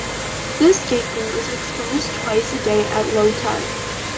This gaetgol is exposed twice a day at low tide.